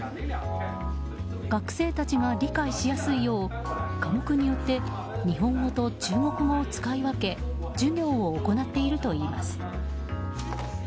学生たちが理解しやすいよう科目によって日本語と中国語を使い分け授業を行っているといいます。